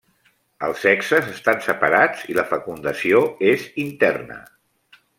Els sexes estan separats i la fecundació és interna.